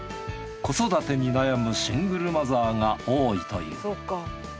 子育てに悩むシングルマザーが多いという。